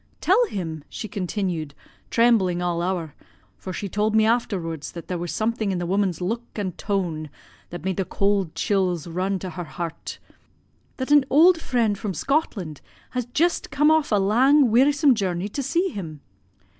Tell him,' she continued, trembling all ower, for she told me afterwards that there was something in the woman's look and tone that made the cold chills run to her heart, 'that an auld friend from Scotland has jist come off a lang wearisome journey to see him.'